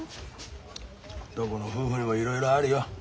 どこの夫婦にもいろいろあるよ。